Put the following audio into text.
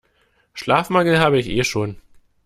Schlafmangel habe ich eh schon.